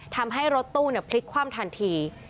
ทำให้รถตู้พลิกคว่ำทันที